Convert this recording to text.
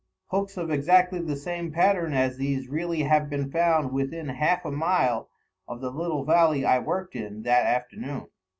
Hooks of exactly the same pattern as these really have been found within half a mile of the little valley I worked in that afternoon.